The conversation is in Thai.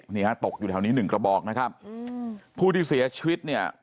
นี่ฮะตกอยู่แถวนี้หนึ่งกระบอกนะครับอืมผู้ที่เสียชีวิตเนี่ย